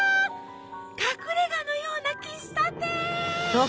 隠れがのような喫茶店。